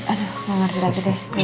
aduh nganggur diri lagi deh